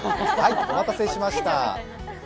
お待たせしました。